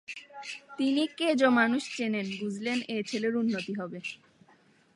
তিনি কেজো মানুষ চেনেন, বুঝলেন এ ছেলের উন্নতি হবে।